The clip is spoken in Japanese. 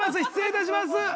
失礼いたします。